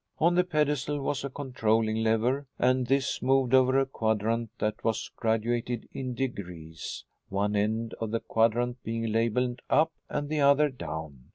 On the pedestal was a controlling lever and this moved over a quadrant that was graduated in degrees, one end of the quadrant being labeled "Up" and the other "Down."